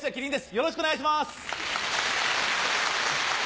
よろしくお願いします。